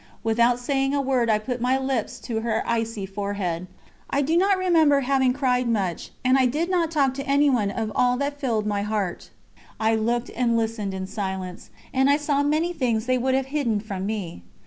Without saying a word I put my lips to her icy forehead. I do not remember having cried much, and I did not talk to anyone of all that filled my heart; I looked and listened in silence, and I saw many things they would have hidden from me.